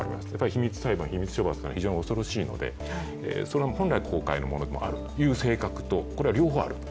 秘密裁判、秘密処罰は非常に恐ろしいので本来、公開のものでもあるという性格と両方ある。